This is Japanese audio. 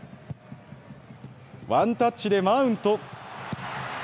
ワンタッチでマウント。